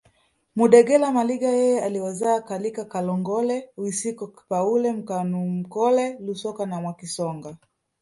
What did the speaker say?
Mudegela Maliga yeye aliwazaa Lalika Kalongole Wisiko Kipaule Mkanumkole Lusoko na Mwakisonga